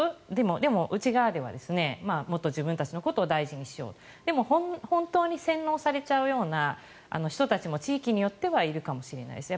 でも、内側ではもっと自分たちのことを大事にしようでも、本当に洗脳されちゃうような人たちも地域によってはいるかもしれないですね。